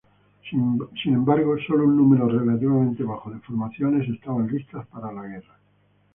Sin embargo, sólo un número relativamente bajo de formaciones estaban listas para la guerra.